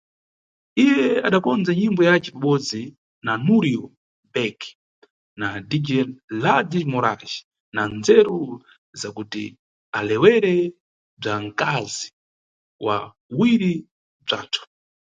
Iye adakondza nyimbo yace pabodzi na Nurio Back na DJ Ladis Morais na ndzeru za kuti alewerewe bzwa nkazi "wa uwiri bzwathu".